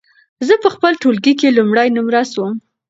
زه په خپل ټولګي کې لومړی نمره سوم.